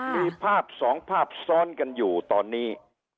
มี๒ภาพซ้อนกันอยู่ตอนนี้